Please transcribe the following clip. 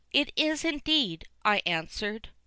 "It is indeed," I ansered.